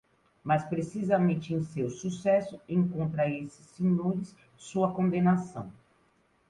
Mas precisamente em seu sucesso, encontra esses senhores sua condenação.